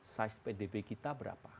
size pdb kita berapa